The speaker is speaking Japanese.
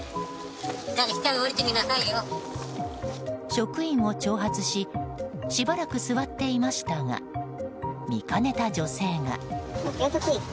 職員を挑発ししばらく座っていましたが見かねた女性が。